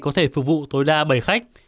có thể phục vụ tối đa bảy khách